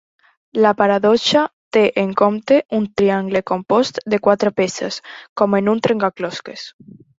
La paradoxa té en compte un triangle compost de quatre peces, com en un trencaclosques.